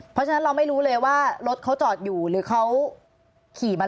เพราะฉะนั้นเราไม่รู้เลยว่ารถเขาจอดอยู่หรือเขาขี่มา